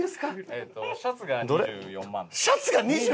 えっとシャツが２４万！